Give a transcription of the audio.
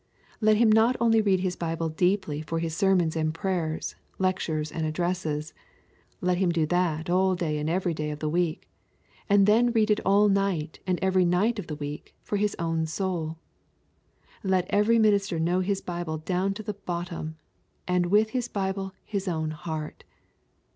Let him not only read his Bible deeply for his sermons and prayers, lectures and addresses, let him do that all day every day of the week, and then read it all night, and every night of the week, for his own soul. Let every minister know his Bible down to the bottom, and with his Bible his own heart.